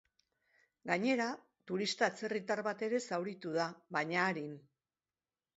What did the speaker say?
Gainera, turista atzerritar bat ere zauritu da, baina arin.